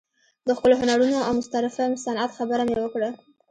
د ښکلو هنرونو او مستطرفه صنعت خبره مې وکړه.